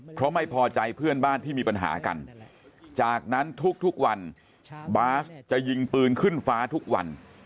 เพราะไม่พอใจเพื่อนบ้านที่มีปัญหากันจากนั้นทุกวันบาสจะยิงปืนขึ้นฟ้าทุกวัน